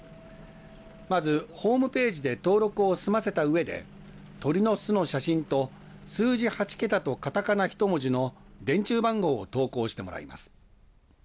まずホームページで登録を済ませたうえで鳥の巣の写真と数字８桁とカタカナ１文字の電柱番号を投稿してもらいます。